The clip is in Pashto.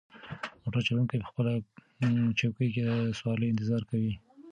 موټر چلونکی په خپله چوکۍ کې د سوارلۍ انتظار کوي.